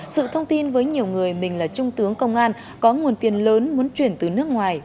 sự thông tin với nhiều người mình là trung tướng công an có nguồn tiền lớn muốn chuyển từ nước ngoài